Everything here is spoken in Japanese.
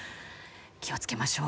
気を付けましょう。